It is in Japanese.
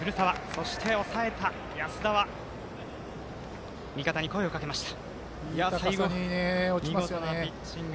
そして、抑えた安田は味方に声をかけました。